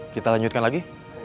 kita lanjutkan lagi